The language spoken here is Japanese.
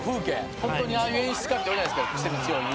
ホントにああいう演出家っておるじゃないですか癖の強い。